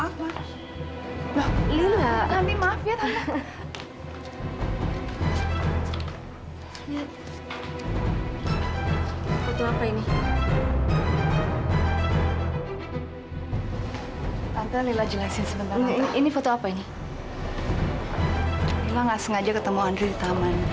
sampai jumpa di video selanjutnya